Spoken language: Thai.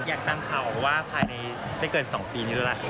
อยากตั้งเขาว่าภายในไม่เกิน๒ปีนี้แล้วล่ะ